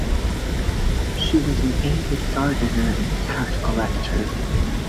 She was an avid gardener and art collector.